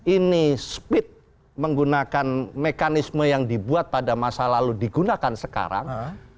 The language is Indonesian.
ini speed menggunakan mekanisme yang dibuat pada masa lalu digunakan sekarang